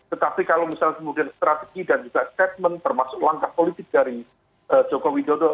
tetapi kalau misalnya kemudian strategi dan juga statement termasuk langkah politik dari joko widodo